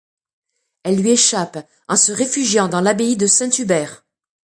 Elle lui échappe en se réfugiant dans l'abbaye de Saint-Hubert.